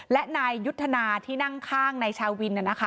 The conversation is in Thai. และนายยุทธนาที่นั่งข้างนายชาวิน